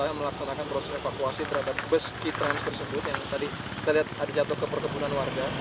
kita berusaha melaksanakan proses evakuasi terhadap bus keytrans tersebut yang tadi kita lihat ada jatuh ke perkebunan warga